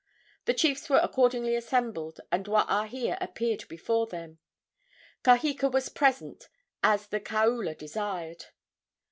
The chiefs were accordingly assembled, and Waahia appeared before them. Kaheka was present, as the kaula desired.